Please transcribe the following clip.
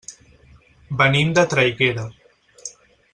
Venim de Traiguera.